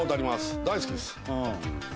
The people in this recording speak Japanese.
大好きです」